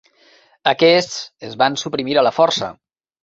Aquests es van suprimir a la força.